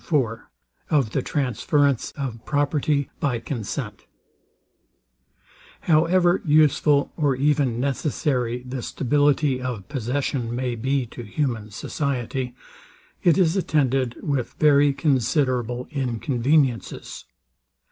IV OF THE TRANSFERENCE OF PROPERTY BY CONSENT However useful, or even necessary, the stability of possession may be to human society, it is attended with very considerable inconveniences.